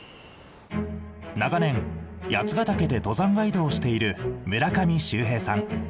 長年八ヶ岳で登山ガイドをしている村上周平さん。